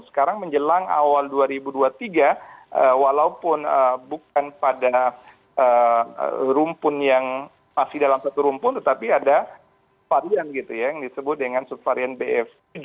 sekarang menjelang awal dua ribu dua puluh tiga walaupun bukan pada rumpun yang masih dalam satu rumpun tetapi ada varian gitu ya yang disebut dengan subvarian bf tujuh